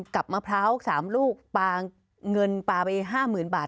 กับมะพร้าว๓ลูกปางเงินไป๕๐๐๐๐บาท